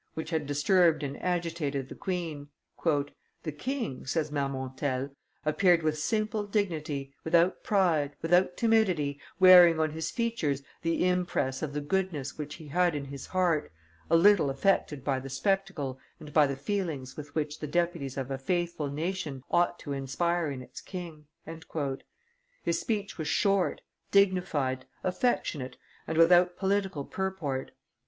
which had disturbed and agitated the queen. "The king," says Marmontel, "appeared with simple dignity, without pride, without timidity, wearing on his features the impress of the goodness which he had in his heart, a little affected by the spectacle and by the feelings with which the deputies of a faithful nation ought to inspire in its king." His speech was short, dignified, affectionate, and without political purport.